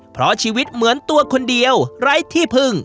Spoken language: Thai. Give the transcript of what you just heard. เพราะชีวิตเหมือนตัวคนเดียวไร้ที่พึ่ง